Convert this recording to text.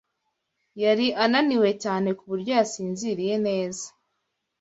Yari ananiwe cyane ku buryo yasinziriye neza.